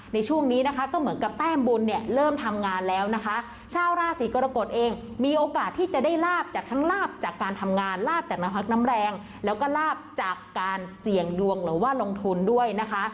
ในช่วงนี้นะคะก็เหมือนกับแต้มบุญเนี่ยเริ่มทำงานแล้วนะคะชาวราศีกรกฎเองมีโอกาสที่จะได้ลาบจากทั้งลาบจากการทำงานลาบจากน้ำพักน้ำแรงแล้วก็ลาบจากการเสี่ยงดวงหรือว่าลงทุนด้วยนะคะ